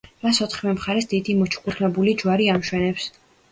მას ოთხივე მხარეს დიდი მოჩუქურთმებული ჯვარი ამშვენებს.